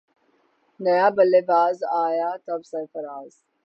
نیا بلے باز آیا تب سرفراز